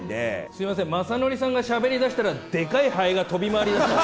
すいません雅紀さんがしゃべりだしたらデカいハエが飛び回りだしたんですけど。